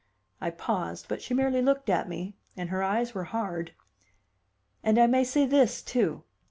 I paused, but she merely looked at me, and her eyes were hard. "And I may say this, too.